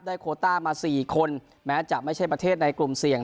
โคต้ามา๔คนแม้จะไม่ใช่ประเทศในกลุ่มเสี่ยง